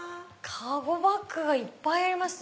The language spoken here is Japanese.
籠バッグがいっぱいありますね。